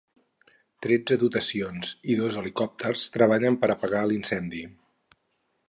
Tretze dotacions i dos helicòpters treballen per apagar l'incendi.